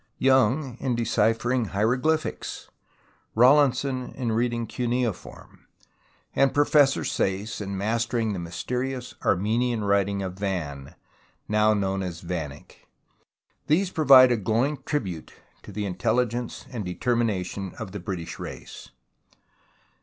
Young in deciphering hieroglyphics, Rawlinson in reading cuneiform, and Professor Sayce in mastering the mysterious Armenian writing of Van — now known as Vannic — provide a glowing tribute to the intel ligence and determination of the British race.